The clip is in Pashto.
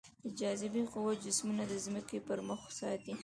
د جاذبې قوه جسمونه د ځمکې پر مخ ساتي.